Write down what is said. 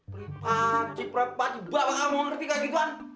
pripaci pripaci mbak bakal mau ngerti kagetuan